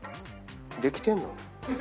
できてんの？